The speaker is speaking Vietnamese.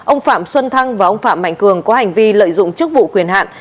ông phạm xuân thăng và ông phạm mạnh cường có hành vi lợi dụng chức vụ quyền hạn